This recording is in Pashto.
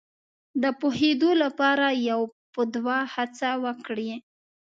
د پوهېدو لپاره یو په دوه هڅه وکړي.